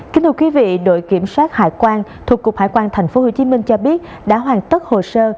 kính thưa quý vị đội kiểm soát hải quan thuộc cục hải quan tp hcm cho biết đã hoàn tất hồ sơ